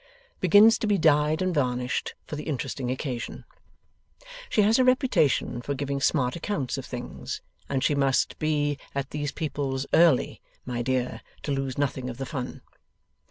') begins to be dyed and varnished for the interesting occasion. She has a reputation for giving smart accounts of things, and she must be at these people's early, my dear, to lose nothing of the fun.